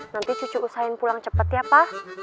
nanti cucu usahain pulang cepat ya pak